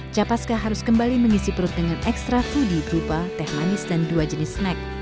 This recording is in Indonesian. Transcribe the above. capaska harus kembali mengisi perut dengan ekstra foodie berupa teh manis dan dua jenis snack